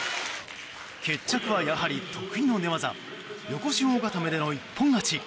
決着は、やはり得意の寝技横四方固めでの一本勝ち。